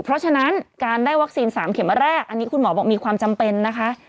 เพราะฉะนั้นการได้วัคซีน๓เข็มแรกอันนี้คุณหมอบอกมีความจำเป็นนะคะ